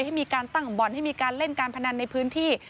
ให้มีการตั้งบ่อนให้มีการเล่นการพนันในพื้นที่